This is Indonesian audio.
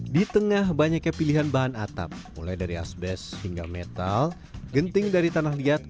di tengah banyaknya pilihan bahan atap mulai dari asbest hingga metal genting dari tanah liat